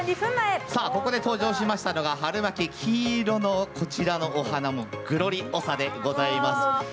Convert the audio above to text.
ここで登場しましたのがはるまき黄色のこちらのお花グロリオサでございます。